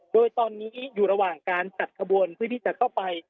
โดยตอนนี้อยู่ระหว่างการจัดขบวนเพื่อที่จะเข้าไป